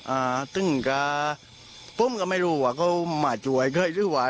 อ่าตึงก็ผมก็ไม่รู้ว่าเขามาช่วยค่อยหรือว่า